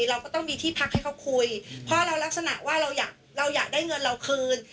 เราก็ต้องมีที่พักให้เขาคุยเพราะเราลักษณะว่าเราอยากเราอยากได้เงินเราคืน